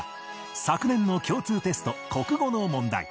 昨年の共通テスト国語の問題。